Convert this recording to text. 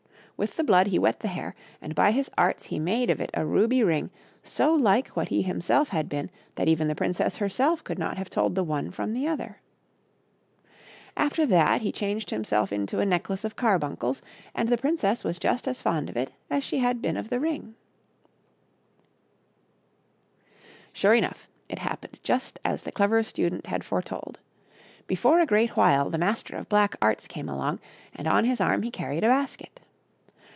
With the blood he wet the hair, and by his arts he made of it a ruby ring so like what he himself had been that even the princess herself could not have told the one from the other. After that he changed himself into a necklace of carbuncles, and the princess was just as fond of it as she had been of the ring: 1S^WasmhttQin, lfaofaQ 56 THE CLEVER STUDENT AND THE MASTER OF BLACK ARTS. Sure enough, it happened just as the Clever Student had foretold. Be^ fore a great while the Master of Black Arts came along and on his arm he carried a basket.